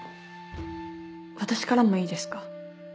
私からもいいですか？